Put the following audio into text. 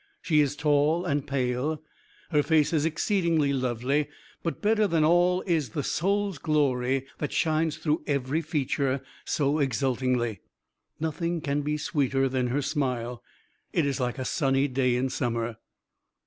She is tall and pale. Her face is exceedingly lovely; but better than all is the soul's glory that shines through every feature so exultingly. Nothing can be sweeter than her smile. It is like a sunny day in summer."